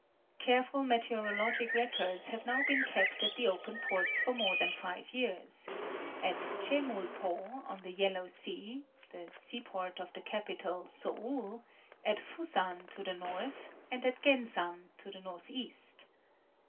Careful meteorologic records have now been kept at the open ports for more than five years; at Che mul po, on the Yellow 240 National Geographic Magazine. Sea (the seaport of the capital, Séul); at Fusan, to the south; and at Gensan, to the northeast.